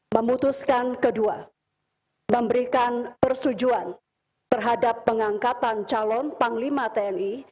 memutuskan kedua memberikan persetujuan terhadap pengangkatan calon panglima tni